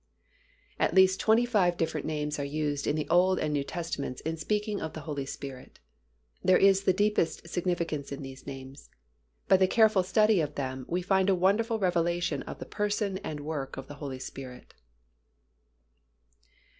At least twenty five different names are used in the Old and New Testaments in speaking of the Holy Spirit. There is the deepest significance in these names. By the careful study of them, we find a wonderful revelation of the Person and work of the Holy Spirit.